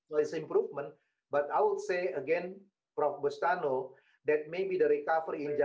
jadi saya akan menunjukkan kepada anda dua pikiran yang berbeda pada saat yang sama